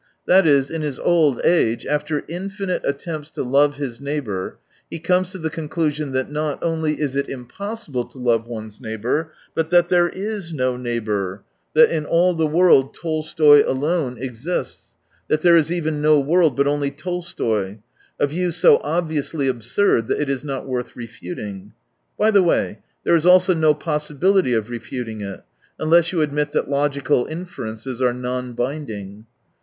That is, in his old age, after infinite attempts to love his neighbour, he comes to the conclusion that not only is it impossible to love one's neighbour, but that there is no neighbour, that in all the world Tolstoy alone exists, that there is even no world, but only Tolstoy : a view so obviously absurd, that it is not worth refuting. By the way, there is also no possibility of refuting it, unless you admit that logical inferences are non binding.